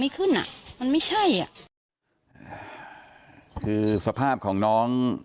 คือสภาพของน้อง